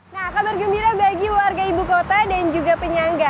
nah kabar gembira bagi warga ibu kota dan juga penyangga